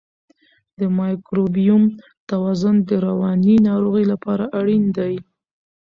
د مایکروبیوم توازن د رواني روغتیا لپاره اړین دی.